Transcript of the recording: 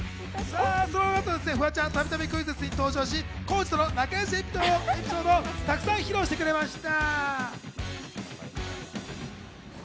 フワちゃん、たびたびクイズッスに登場し、浩次との仲良しエピソードをたくさん披露してくれました。